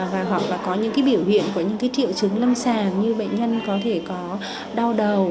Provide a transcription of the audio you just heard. và hoặc là có những cái biểu hiện có những cái triệu chứng lâm sàn như bệnh nhân có thể có đau đầu